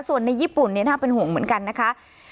ส่วนในญี่ปุ่นน่าเป็นห่วงเหมือนกันนะคะ